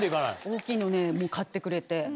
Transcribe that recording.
大きいの買ってくれて。